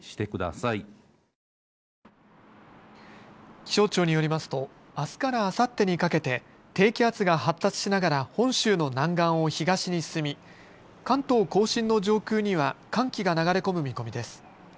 気象庁によりますとあすからあさってにかけて低気圧が発達しながら本州の南岸を東に進み関東甲信の上空には寒気が流れ込む見込みです。